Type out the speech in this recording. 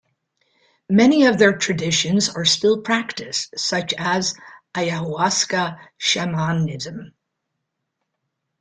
Many of their traditions are still practiced, such as ayahuasca shamanism.